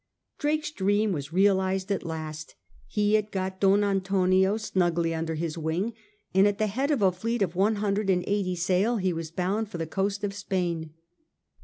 . Drake's dream was realised at last. He had got Don Antonio snugly under his wing, and at the head of a fleet of one hundred and eighty sail he was bound for the coast of Spain.